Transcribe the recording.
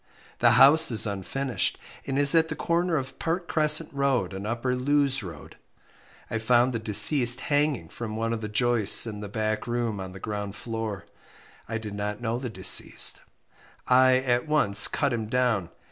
The house is unfinished, and is at the corner of Park Crescent Road and Upper Lewes Road. I found the deceased hanging from one of the joists in the back room on the ground floor. I did not know the deceased. I at once cut him down.